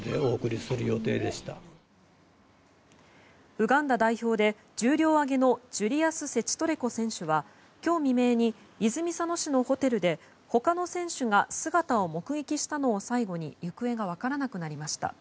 ウガンダ代表で重量挙げのジュリアス・セチトレコ選手は今日未明に泉佐野市のホテルで他の選手が姿を目撃したのを最後に行方が分からなくなりました。